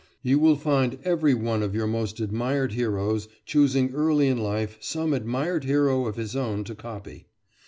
You will find every one of your most admired heroes choosing early in life some admired hero of his own to copy.